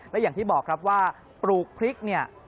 และอย่างที่บอกครับว่าปลูกพริกเนี่ย